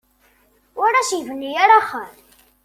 Ur as-yebni ara axxam.